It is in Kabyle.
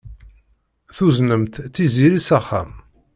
Tuznemt Tiziri s axxam.